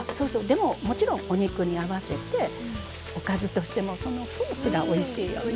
でももちろんお肉に合わせておかずとしてもそのソースがおいしいよね。